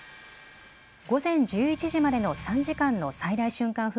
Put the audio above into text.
午前１１時までの３時間の最大瞬間